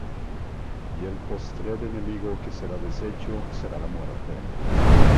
Y el postrer enemigo que será deshecho, será la muerte.